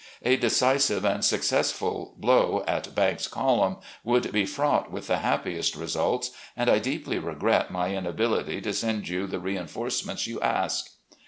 A decisive and successful blow at Banks's column would be fraught with the hap piest results, and I deeply regret my inability to send you the reinforcements you ask.